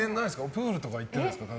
プールとか行ってないですか